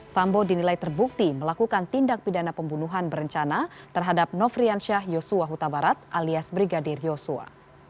sambo dinilai terbukti melakukan tindak pidana pembunuhan berencana terhadap nofrian syah yosua hutabarat alias brigadir yosua